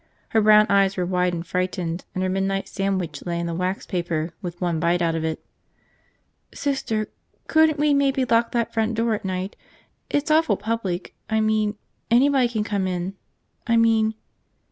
Her brown eyes were wide and frightened, and her midnight sandwich lay in the wax paper with one bite out of it. "Sister, couldn't we maybe lock that front door at night? It's awful public, I mean, anybody can come in. I mean